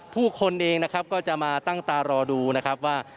ผู้คนเองนะครับก็จะมาตั้งตารอดูนะครับว่า